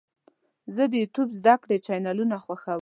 زه د یوټیوب زده کړې چینلونه خوښوم.